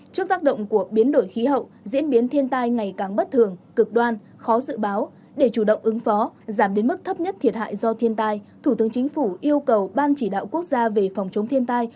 trước tác động của biến đổi khí hậu diễn biến thiên tai ngày càng bất thường cực đoan khó dự báo để chủ động ứng phó giảm đến mức thấp nhất thiệt hại do thiên tai thủ tướng chính phủ yêu cầu ban chỉ đạo quốc gia về phòng chống thiên tai